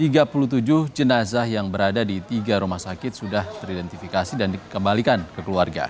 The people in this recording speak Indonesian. jadi tiga puluh tujuh jenazah yang berada di tiga rumah sakit sudah teridentifikasi dan dikembalikan ke keluarga